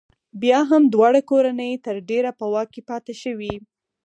بیا هم دواړه کورنۍ تر ډېره په واک کې پاتې شوې.